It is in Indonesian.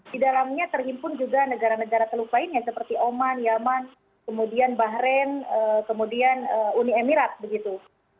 di dalamnya terhimpun juga negara negara teluk lainnya seperti oman yemen kemudian bahrain kemudian uni emirat begitu